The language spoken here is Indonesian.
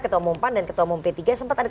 ketua umum pan dan ketua umum p tiga sempat ada